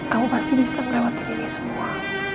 kamu pasti bisa melewati ini semua